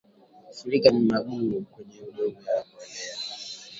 Fukia magugu kwenye udongo yawe mbolea